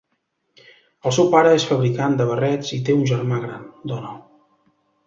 El seu pare és fabricant de barrets i té un germà gran, Donald.